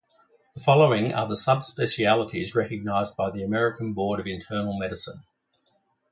The following are the subspecialties recognized by the American Board of Internal Medicine.